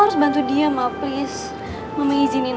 bukan kamu ada di sini